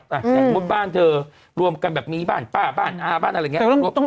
อย่างมุติบ้านเธอรวมกันแบบมีบ้านป้าบ้านอาบ้านอะไรอย่างนี้